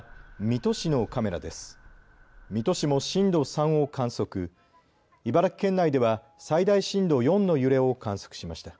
水戸市も震度３を観測、茨城県内では最大震度４の揺れを観測しました。